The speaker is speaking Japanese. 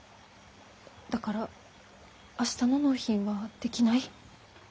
だから明日の納品はできない。